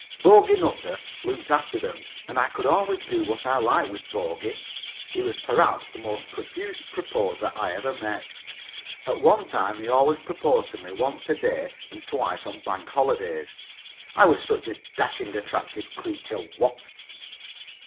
Bogey Nutter looked after them, and I could always do what I liked with Bogey. He was perhaps the most profuse proposer I ever met. At one time he always proposed to me once a day and twice on Bank holidays. I was such a dashing, attractive creature, what?